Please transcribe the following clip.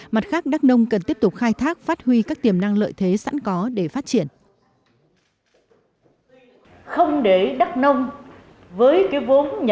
mặt khác đắk nông cần tiếp tục khai thác phát huy các tiềm năng lợi thế sẵn có để phát triển